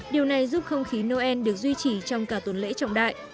điều này giúp không khí noel được duy trì trong cả tuần lễ trọng đại